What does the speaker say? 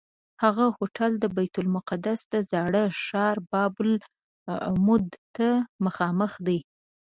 هغه هوټل د بیت المقدس د زاړه ښار باب العمود ته مخامخ دی.